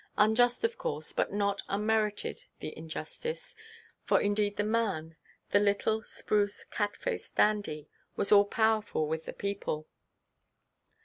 Unjust of course, but not unmerited the injustice, for indeed the man, the little, spruce, cat faced dandy, was all powerful with the people....